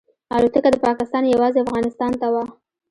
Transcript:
الوتکه د پاکستان یوازې افغانستان ته وه.